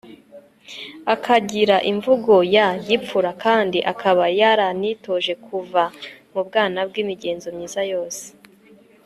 akagira imvugo ya gipfura kandi akaba yaranitoje kuva mu bwana bwe imigenzo myiza yose